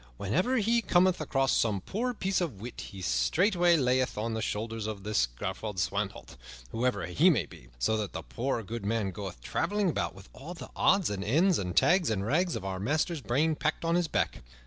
"Whenever he cometh across some poor piece of wit he straightway layeth it on the shoulders of this Gaffer Swanthold whoever he may be so that the poor goodman goeth traveling about with all the odds and ends and tags and rags of our master's brain packed on his back."